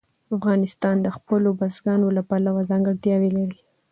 افغانستان د خپلو بزګانو له پلوه ځانګړتیاوې لري.